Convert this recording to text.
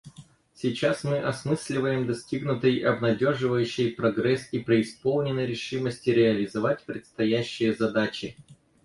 Сейчас мы осмысливаем достигнутый обнадеживающий прогресс и преисполнены решимости реализовать предстоящие задачи.